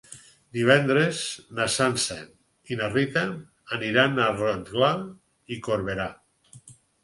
Divendres na Sança i na Rita aniran a Rotglà i Corberà.